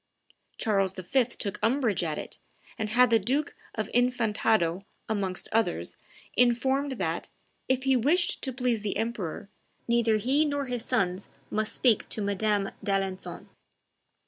Charles V. took umbrage at it, and had the Duke of Infantado, amongst others, informed that, if he wished to please the emperor, neither he nor his sons must speak to Madame d'Alencon.